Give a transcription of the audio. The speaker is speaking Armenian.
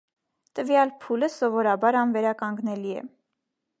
Տվյալ փուլը, սովորաբար, անվերականգնելի է։